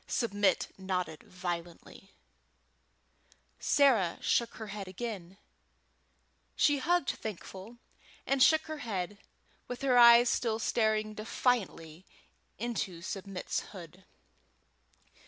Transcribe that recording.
Submit nodded violently. Sarah shook her head again. She hugged Thankful, and shook her head, with her eyes still staring defiantly into Submit's hood.